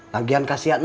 lagian kasian ntin